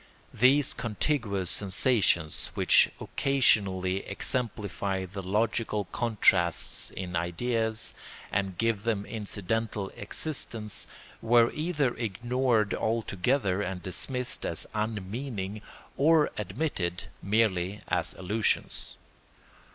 These contiguous sensations, which occasionally exemplify the logical contrasts in ideas and give them incidental existence, were either ignored altogether and dismissed as unmeaning, or admitted merely as illusions.